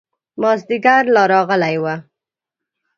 مازدیګر لا راغلی و.